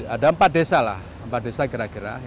ada empat desa lah empat desa kira kira